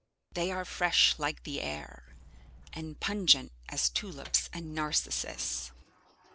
They are fresh like the air, and pungent as tulips and narcissus.